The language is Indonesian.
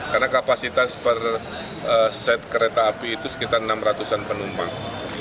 karena kapasitas per set kereta api itu sekitar enam ratus penumpang